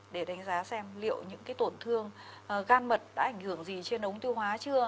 để đánh giá xem liệu những tổn thương gan mật đã ảnh hưởng gì trên ống tiêu hóa chưa